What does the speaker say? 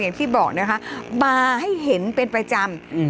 อย่างที่บอกนะคะมาให้เห็นเป็นประจำอืม